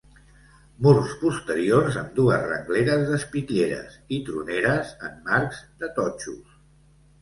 Murs posteriors amb dues rengleres d'espitlleres i troneres amb marcs de totxos.